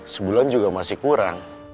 sebulan juga masih kurang